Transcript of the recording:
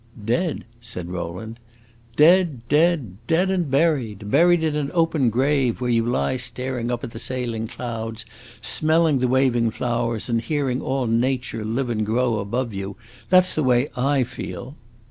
"Dead?" said Rowland. "Dead, dead; dead and buried! Buried in an open grave, where you lie staring up at the sailing clouds, smelling the waving flowers, and hearing all nature live and grow above you! That 's the way I feel!"